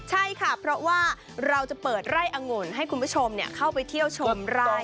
ใช่ค่ะเพราะว่าเราจะเปิดไร่องุ่นให้คุณผู้ชมเข้าไปเที่ยวชมไร่